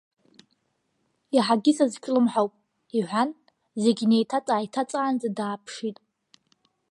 Иаҳагьы сазҿлымҳауп, — иҳәан, зегьы неиҭаҵ-ааиҭаҵаанӡа, дааԥшит.